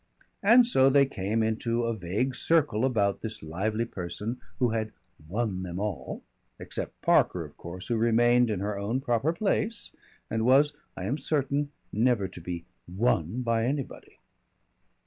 And so they came into a vague circle about this lively person who had "won them all" except Parker, of course, who remained in her own proper place and was, I am certain, never to be won by anybody.